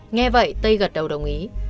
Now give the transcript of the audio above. nghe vậy tây gật đầu đồng ý